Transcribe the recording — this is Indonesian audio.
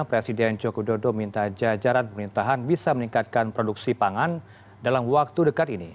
presiden joko dodo minta jajaran pemerintahan bisa meningkatkan produksi pangan dalam waktu dekat ini